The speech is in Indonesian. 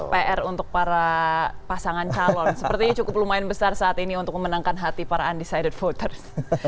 pr untuk para pasangan calon sepertinya cukup lumayan besar saat ini untuk memenangkan hati para undecided voters